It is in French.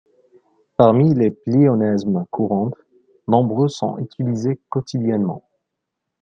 Parmi les pléonasmes courants, nombreux sont utilisés quotidiennement.